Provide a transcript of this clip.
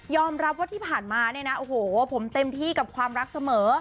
รับว่าที่ผ่านมาเนี่ยนะโอ้โหผมเต็มที่กับความรักเสมอ